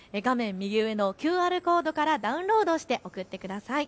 右上のＱＲコードからダウンロードして送ってください。